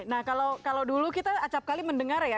nah kalau dulu kita acapkali mendengar ya